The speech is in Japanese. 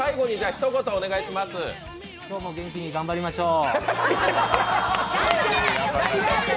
今日も元気に頑張りましょう。